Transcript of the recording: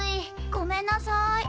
ごめんなさい。